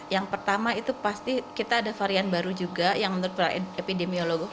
yang pertama itu pasti kita ada varian baru juga yang menurut epidemiologi